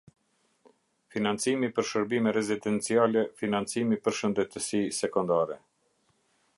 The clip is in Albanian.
Financimi për Shërbime Rezidenciale Financimi për Shëndetesi Sekondare.